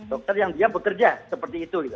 dokter yang dia bekerja seperti itu gitu